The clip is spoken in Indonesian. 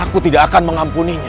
aku tidak akan mengampuninya